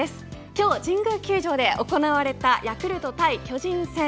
今日、神宮球場で行われたヤクルト対巨人戦。